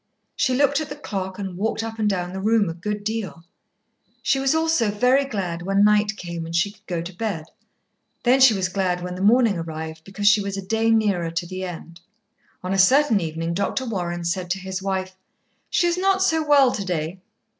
She looked at the clock and walked up and down the room a good deal. She was also very glad when night came and she could go to bed. Then she was glad when the morning arrived, because she was a day nearer to the end. On a certain evening Dr. Warren said to his wife, "She is not so well to day.